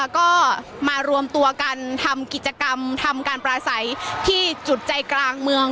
ก็มารวมตัวกันทำกิจกรรมทำการปลาใสที่จุดใจกลางเมือง